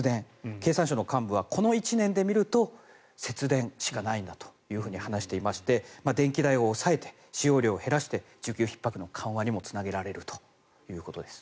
経産省の幹部はこの１年で見ると節電しかないんだと話していまして電気代を抑えて使用量を減らして需給ひっ迫の緩和にもつなげられると話しています。